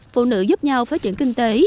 phụ nữ giúp nhau phát triển kinh tế